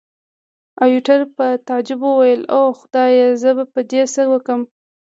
ایټور په تعجب وویل، اوه خدایه! زه به په دې څه وکړم.